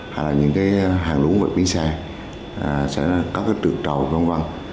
hoặc là những hàng lũ vật biến xa sẽ có trượt trầu văn văn